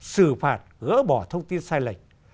xử phạt gỡ bỏ thông tin sai lệch